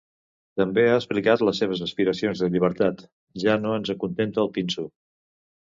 També ha explicat les seves aspiracions de llibertat: Ja no ens acontenta el pinso.